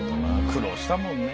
苦労したもんね。